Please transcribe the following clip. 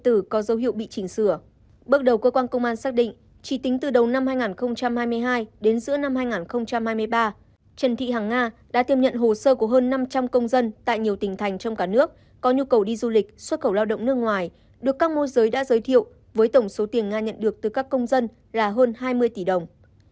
bước đầu cơ quan công an xác định chỉ tính từ đầu năm hai nghìn hai mươi hai đến giữa năm hai nghìn hai mươi ba trần thị hàng nga đã tiêm nhận hồ sơ của hơn năm trăm linh công dân tại nhiều tỉnh thành trong cả nước có nhu cầu đi du lịch xuất khẩu lao động nước ngoài được các môi giới đã giới thiệu với tổng số tiền nga nhận được từ các môi giới là hơn hai mươi tỷ đồng